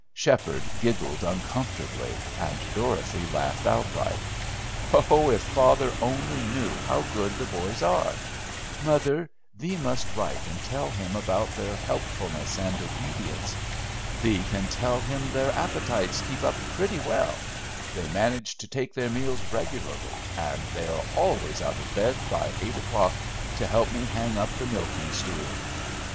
Sheppard giggled uncomfortably, and Dorothy laughed outright. "Oh, if father only knew how good the boys are! Mother, thee must write and tell him about their 'helpfulness and obedience'! Thee can tell him their appetites keep up pretty well; they manage to take their meals regularly, and they are always out of bed by eight o'clock to help me hang up the milking stool!"